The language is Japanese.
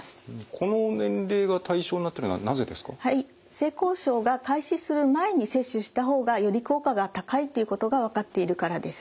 性交渉が開始する前に接種した方がより効果が高いということが分かっているからです。